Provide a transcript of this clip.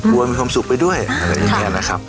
มีความสุขไปด้วยอะไรอย่างนี้นะครับ